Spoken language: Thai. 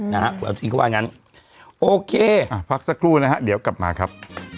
นะฮะว่างั้นโอเคอ่ะพักสักครู่นะฮะเดี๋ยวกลับมาครับ